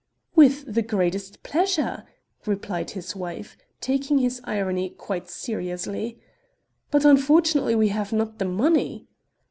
"With the greatest pleasure," replied his wife, taking his irony quite seriously, "but unfortunately we have not the money."